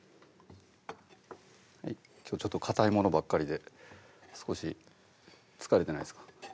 きょうちょっとかたいものばっかりで少し疲れてないですか？